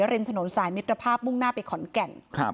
ริมถนนสายมิตรภาพมุ่งหน้าไปขอนแก่น